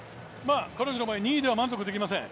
彼女の場合２位では満足できません。